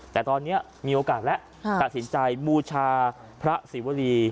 แต่ตอนนี้มีโอกาสแล้วตัดสินใจบูชาพระศิวรี